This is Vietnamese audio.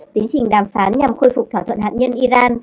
tiến trình đàm phán nhằm khôi phục thỏa thuận hạt nhân iran